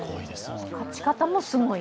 勝ち方もすごい。